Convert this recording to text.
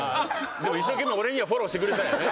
でも一生懸命俺にはフォローしてくれたよね。